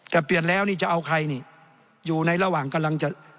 แต่เปลี่ยนแล้วนี่จะเอาใครนี่อยู่ในระหว่างกำลังจะ